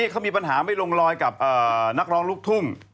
เขามีปัญหาไม่ลงรอยกับนักร้องลูกทุ่ง